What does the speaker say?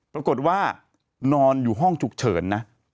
ปรากฏว่านอนอยู่ห้องฉุกเฉินนะ